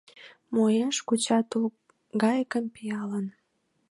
Муэш, куча тулгайыкым-пиалым.